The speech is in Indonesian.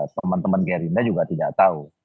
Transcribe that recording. teman teman gerindra juga tidak tahu